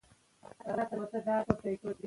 که درملتون وي نو دوا نه کمیږي.